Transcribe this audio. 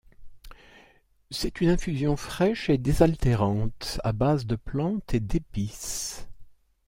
C'est une infusion fraîche et désaltérante à base de plantes et d'épices.